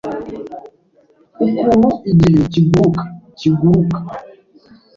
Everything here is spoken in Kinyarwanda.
Ukuntu igihe kiguruka ... kiguruka ...